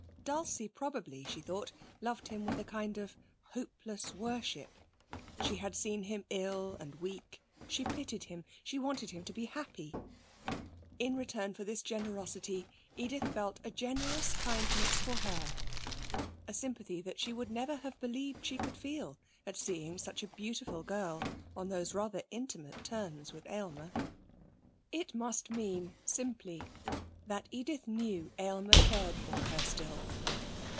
Dulcie probably, she thought, loved him with a kind of hopeless worship. She had seen him ill and weak, she pitied him, she wanted him to be happy. In return for this generosity Edith felt a generous kindness for her, a sympathy that she would never have believed she could feel at seeing such a beautiful girl on those rather intimate terms with Aylmer. It must mean, simply, that Edith knew Aylmer cared for her still.